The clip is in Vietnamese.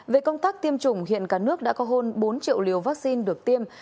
về công tác tiêm chủng hiện cả nước đã có hơn bốn triệu liều vaccine được tiêm